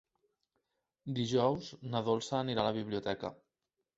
Dijous na Dolça anirà a la biblioteca.